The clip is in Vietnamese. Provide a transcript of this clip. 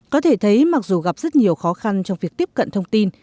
có thể thấy mặc dù gặp rất nhiều khó khăn trong việc tiếp cận thông tin